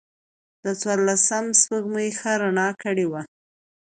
د څوارلسمم سپوږمۍ ښه رڼا کړې وه.